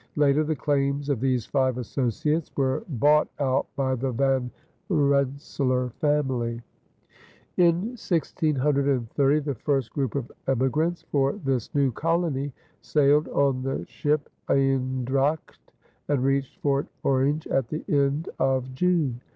Later the claims of these five associates were bought out by the Van Rensselaer family. In 1630 the first group of emigrants for this new colony sailed on the ship Eendragt and reached Fort Orange at the beginning of June.